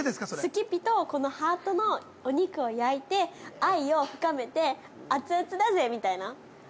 すきぴと、このハートのお肉を焼いて愛を深めて、熱々だぜみたいな。